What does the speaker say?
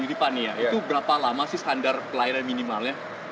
itu berapa lama sih standar pelayanan minimalnya